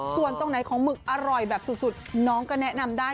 ส่วนตรงไหนของหมึกอร่อยแบบสุดน้องก็แนะนำได้